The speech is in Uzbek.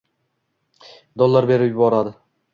dollar berib yuboradi